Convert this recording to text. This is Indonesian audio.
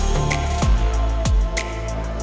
nasi uduk berbalut daun gondang dia